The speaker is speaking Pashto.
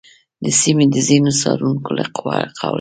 د سیمې د ځینو څارونکو له قوله،